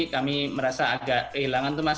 kami merasa agak kehilangan tuh mas